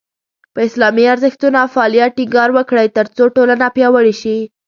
په اسلامي ارزښتونو او افغانیت ټینګار وکړئ، ترڅو ټولنه پیاوړې شي.